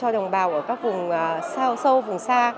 cho đồng bào ở các vùng sâu vùng xa